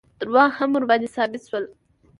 دروغ هم ورباندې ثابت شول.